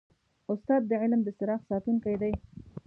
استاد د علم د څراغ ساتونکی دی.